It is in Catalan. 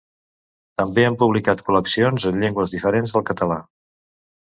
També han publicat col·leccions en llengües diferents del català.